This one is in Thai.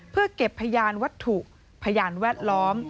เพื่อเก็บพยานวัตถุพยานแวดล้อม